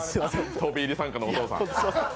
飛び入り参加のお父さん。